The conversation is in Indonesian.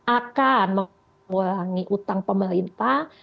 akan mengurangi utang pemerintah